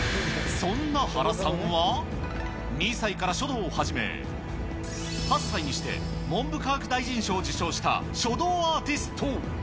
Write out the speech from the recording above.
そんな原さんは、２歳から書道を始め、８歳にして、文部科学大臣賞を受賞した書道アーティスト。